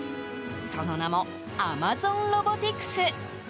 その名もアマゾンロボティクス。